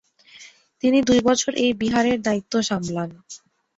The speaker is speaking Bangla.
তিনি দুই বছর এই বিহারের দায়িত্ব সামলান।